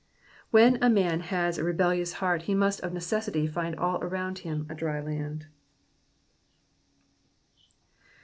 '^ When a man has a rebellious heart, he must of necessity find all around him a dry land.